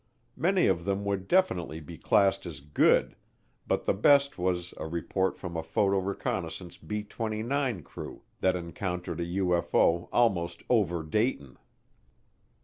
Many of them would definitely be classed as good, but the best was a report from a photo reconnaissance B 29 crew that encountered a UFO almost over Dayton.